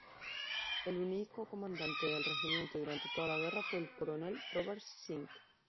El único comandante del regimiento durante toda la guerra fue el coronel Robert Sink.